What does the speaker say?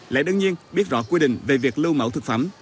lẽ đương nhiên biết rõ quy định về việc lưu mẫu thực phẩm